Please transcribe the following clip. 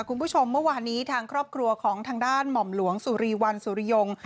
คุณผู้ชมเมื่อวานนี้ทางครอบครัวของทางด้านหม่อมหลวงสุรีวันสุริยง